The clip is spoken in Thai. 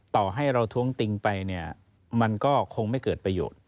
ต่อให้เราท้วงติงไปเนี่ยมันก็คงไม่เกิดประโยชน์